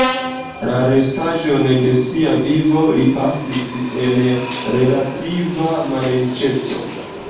La restaĵon de sia vivo li pasis en relativa malriĉeco.